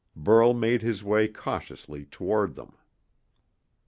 Burl made his way cautiously toward them.